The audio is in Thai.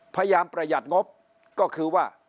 พยายามประหยัดงบก็คือว่า